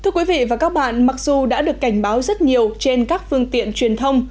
thưa quý vị và các bạn mặc dù đã được cảnh báo rất nhiều trên các phương tiện truyền thông